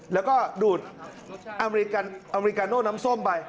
แล้วก็ดูดอเมริกาโน่น้ำส้มไป